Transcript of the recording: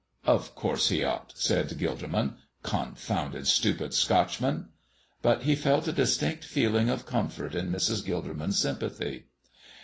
"Of course he ought," said Gilderman. "Confounded, stupid Scotchman!" But he felt a distinct feeling of comfort in Mrs. Gilderman's sympathy.